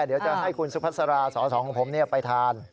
เดี๋ยวจะให้คุณศุภัษระสอสองของผมเนี่ยไปทาน